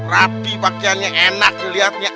rapi pakaiannya enak dilihatnya